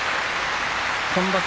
今場所